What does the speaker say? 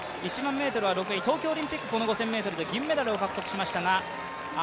１００００ｍは６位東京オリンピック、５０００ｍで銀メダルを獲得しました。